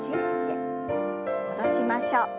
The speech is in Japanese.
戻しましょう。